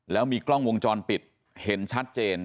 แล้วมีกล้องวงจรปิดเห็นชัดเจน